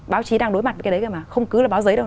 báo chí đang đối mặt với cái đấy mà không cứ là báo giấy đâu